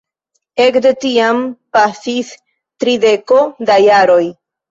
Ekde tiam pasis trideko da jaroj.